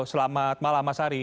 selamat malam mas ari